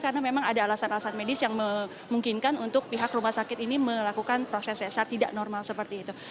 karena memang ada alasan alasan medis yang memungkinkan untuk pihak rumah sakit ini melakukan proses sesar tidak normal seperti itu